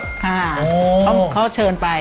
ค่ะเขาเชิญไป